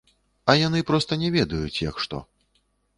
А яны проста не ведаюць, як што.